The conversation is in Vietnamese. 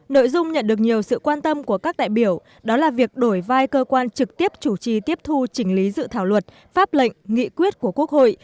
nội dung nhận được nhiều sự quan tâm của các đại biểu đó là việc đổi vai cơ quan trực tiếp chủ trì tiếp thu chỉnh lý dự thảo luật pháp lệnh nghị quyết của quốc hội